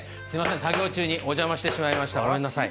作業中にお邪魔してしましました。